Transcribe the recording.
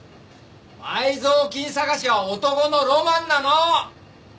埋蔵金探しは男のロマンなの！